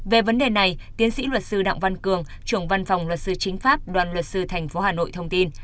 về vấn đề này tiến sĩ luật sư đặng văn cường trưởng văn phòng luật sư chính pháp đoàn luật sư tp hà nội thông tin